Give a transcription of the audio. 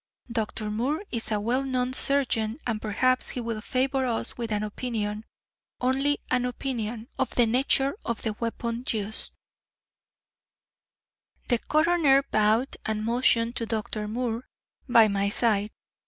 Dr. Moore is a well known surgeon, and perhaps he will favor us with an opinion only an opinion of the nature of the weapon used." The coroner bowed and motioned to Dr. Moore, by my side.